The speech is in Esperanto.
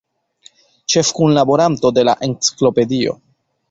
Ĉefkunlaboranto de la Enciklopedio.